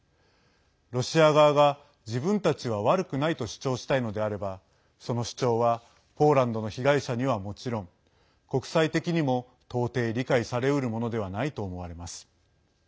ロシア側が、自分たちは悪くないと主張したいのであればその主張はポーランドの被害者にはもちろん国際的にも到底理解されうるものではないと思われます。